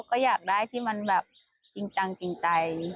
ก็อยากได้ที่มันแบบจริงจังจริงใจ